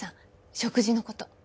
食事のこと。